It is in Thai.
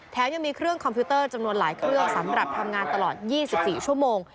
ยังมีเครื่องคอมพิวเตอร์จำนวนหลายเครื่องสำหรับทำงานตลอด๒๔ชั่วโมง